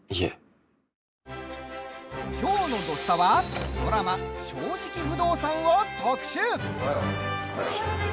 きょうの「土スタ」はドラマ「正直不動産」を特集！